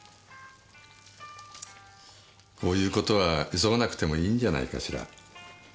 こういう事は急がなくてもいいんじゃないかしら。